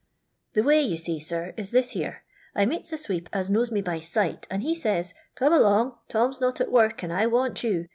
" The way, you see, sir, is this hero : I meets a sweep as knows me by sight, and he says^ ' Come along, Tom 's not at work, and I want you.